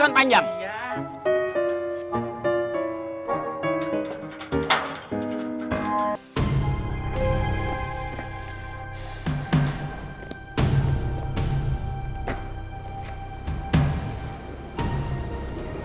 di tempat kayak ini